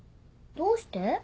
どうして？